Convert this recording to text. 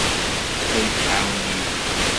Ttxil-k, ɛawen-iyi.